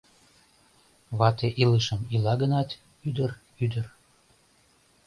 Вате илышым ила гынат, ӱдыр, ӱдыр...